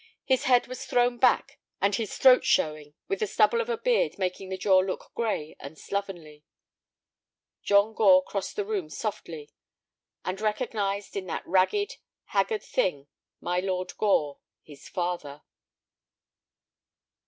His head was thrown back and his throat showing, with the stubble of a beard making the jaw look gray and slovenly. John Gore crossed the room softly, and recognized in that ragged, haggard thing my Lord Gore—his father.